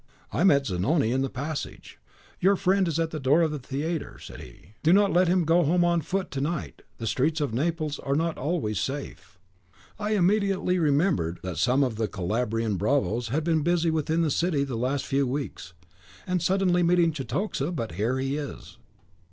"I met Zanoni in the passage, 'Your friend is at the door of the theatre,' said he; 'do not let him go home on foot to night; the streets of Naples are not always safe.' I immediately remembered that some of the Calabrian bravos had been busy within the city the last few weeks, and suddenly meeting Cetoxa but here he is."